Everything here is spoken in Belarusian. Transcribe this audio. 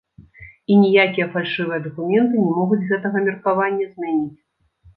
І ніякія фальшывыя дакументы не могуць гэтага меркавання змяніць.